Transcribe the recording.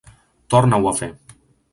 Torna-ho a fer!